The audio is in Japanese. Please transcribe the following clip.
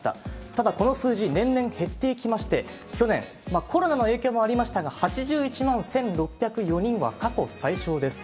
ただ、この数字、年々減っていきまして、去年、コロナの影響もありましたが、８１万１６０４人は過去最少です。